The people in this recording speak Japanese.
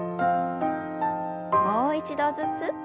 もう一度ずつ。